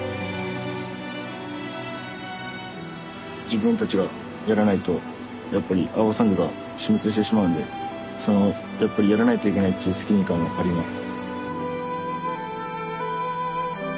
自分たちがやらないとやっぱりアワサンゴが死滅してしまうんでやっぱりやらないといけないっていう責任感はあります。